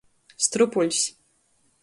Strupuļs.